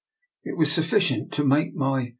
It was sufficient to make my DR.